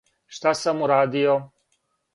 Шта сам урадио?